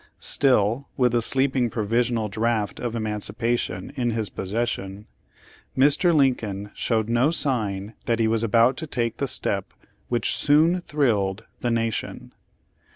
Still, with the sleeping provisional draft of emancipation, in his posses sion, Mr. Lincoln showed no sign that he was about to take the step which soon thrilled the Nation.